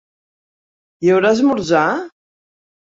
Hi haurà esmorzar?